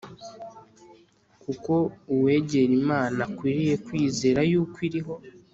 kuko uwegera Imana akwiriye kwizera yuko iriho